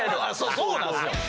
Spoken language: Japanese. そうなんですよ。